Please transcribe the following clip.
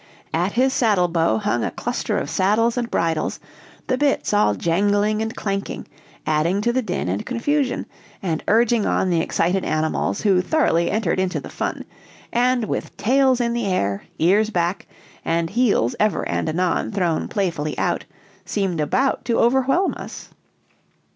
At his saddlebow hung a cluster of saddles and bridles, the bits all jangling and clanking, adding to the din and confusion, and urging on the excited animals, who thoroughly entered into the fun, and with tails in the air, ears back, and heels ever and anon thrown playfully out, seemed about to overwhelm us.